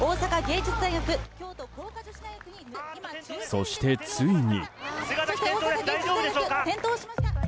そして、ついに。